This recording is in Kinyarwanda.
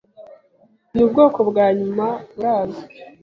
n'ubwoko bwa nyuma burazwi